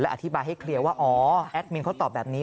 อธิบายให้เคลียร์ว่าอ๋อแอดมินเขาตอบแบบนี้